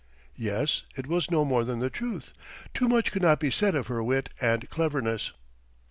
Yes, it was no more than the truth. Too much could not be said of her wit and cleverness.